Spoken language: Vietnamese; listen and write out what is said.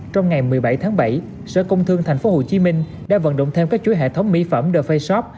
trong ngày một mươi bảy tháng bảy sở công thương tp hcm đã vận động thêm các chuỗi hệ thống mỹ phẩm the face shop